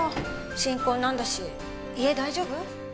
新婚なんだし家大丈夫？